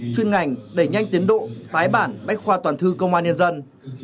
chuyên ngành đẩy nhanh tiến độ tái bản bách khoa toàn thư công an nhân dân